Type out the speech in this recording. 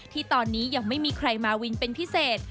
ที่ตอนนี้ยังไม่มีใครมาวินเป็นพิเศษ